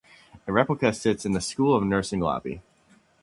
A replica sits in the School of Nursing lobby.